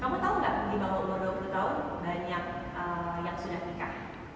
di bawah umur dua puluh tahun banyak yang sudah nikah